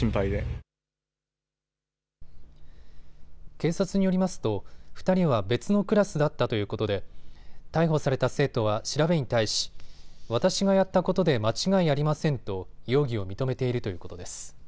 警察によりますと２人は別のクラスだったということで逮捕された生徒は調べに対し私がやったことで間違いありませんと容疑を認めているということです。